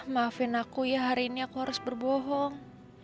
maafin aku ya hari ini aku harus berbohong